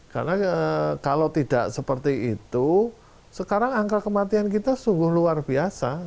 karena kalau tidak seperti itu sekarang angka kematian kita sungguh luar biasa